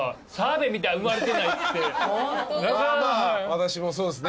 私もそうですね。